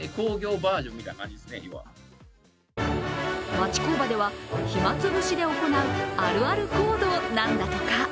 町工場では、暇つぶしで行うあるある行動なんだとか。